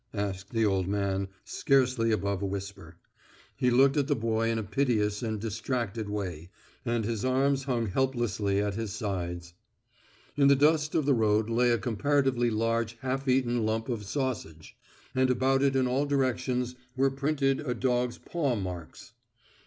asked the old man, scarcely above a whisper. He looked at the boy in a piteous and distracted way, and his arms hung helplessly at his sides. In the dust of the road lay a comparatively large half eaten lump of sausage, and about it in all directions were printed a dog's paw marks.